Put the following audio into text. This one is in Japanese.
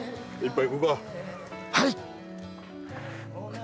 はい！